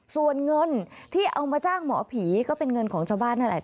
ส่วนเงินที่เอามาจ้างหมอผีก็เป็นเงินของชาวบ้านนั่นแหละ